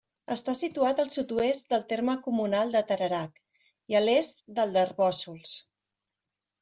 Està situat al sud-oest del terme comunal de Tarerac, i a l'est del d'Arboçols.